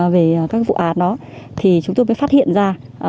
về các vụ án đó thì chúng tôi mới phát hiện ra